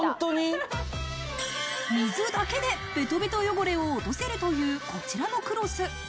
水だけで、ベトベト汚れを落とせるというこちらのクロス。